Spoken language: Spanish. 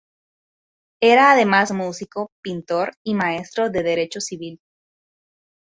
Era además músico, pintor y maestro de derecho civil.